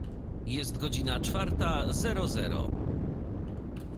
Jest godzina czwarta zero zero.